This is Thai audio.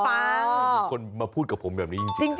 มีคนมาพูดกับผมแบบนี้จริง